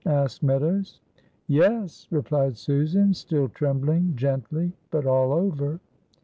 asked Meadows. "Yes!" replied Susan, still trembling gently, but all over.